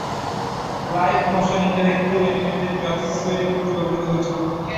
Live motion interactive animated graphics তৈরি করতে ব্যবহৃত হয়েছিল।